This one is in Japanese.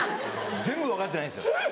全部分かってないんですよ。